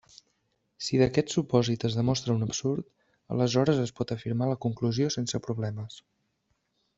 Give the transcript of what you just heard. Si d'aquest supòsit es demostra un absurd, aleshores es pot afirmar la conclusió sense problemes.